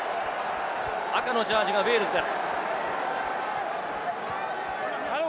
赤のジャージーがウェールズです。